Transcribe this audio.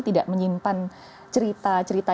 tidak menyimpan cerita cerita